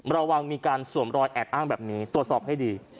ระวังมีการสวมรอยแอบอ้างแบบนี้ตรวจสอบให้ดี